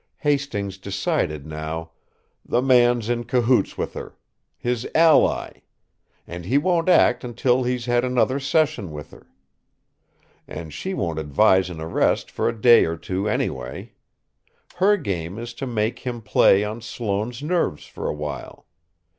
Hastings decided now: "The man's in cahoots with her. His ally! And he won't act until he's had another session with her. And she won't advise an arrest for a day or two anyway. Her game is to make him play on Sloane's nerves for a while.